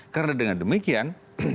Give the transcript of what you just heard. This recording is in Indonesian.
karena dengan demikian